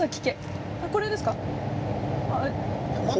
これですか？